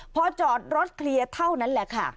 พอจอดรถเคลียร์เท่านั้นแหละค่ะ